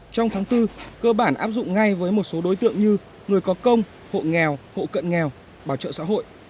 trong tháng bốn cơ bản áp dụng ngay với một số đối tượng như người có công hộ nghèo hộ cận nghèo bảo trợ xã hội